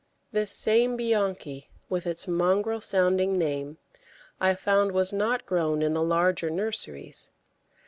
This same Bianchi, with its mongrel sounding name, I found was not grown in the larger nurseries.